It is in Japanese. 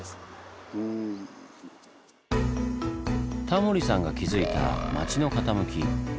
タモリさんが気付いた「町の傾き」。